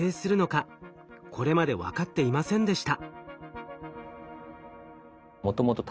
これまで分かっていませんでした。